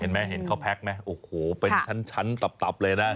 เห็นเขาแพ็คไหมโอ้โหเป็นชั้นตับเลยนะ